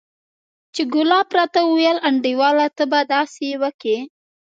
چې ګلاب راته وويل انډيواله ته به داسې وکې.